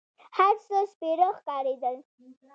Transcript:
هر څه سپېره ښکارېدل.